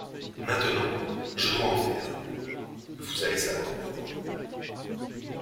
Maintenant, je dois en faire, vous allez savoir pourquoi…